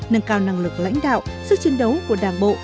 nâng cao năng lực lãnh đạo sức chiến đấu của đảng bộ